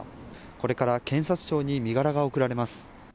これから検察庁に身柄が送られます。